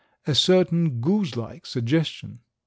a certain goose like suggestion."